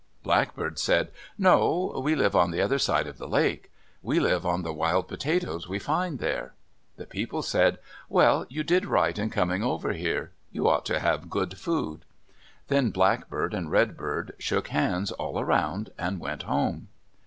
Blackbird said, "No. We live on the other side of the lake. We live on the wild potatoes we find there." The people said, "Well, you did right in coming over here. You ought to have good food." Then Blackbird and Redbird shook hands all around and went home.